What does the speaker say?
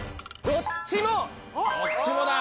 どっちもだ。